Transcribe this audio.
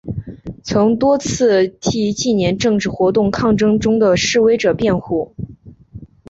曾经多次替近年政治活动抗争中的示威者辩护。